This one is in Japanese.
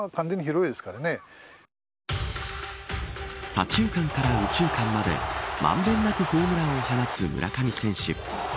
左中間から右中間まで満べんなくホームランを放つ村上選手。